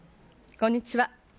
こんにちは。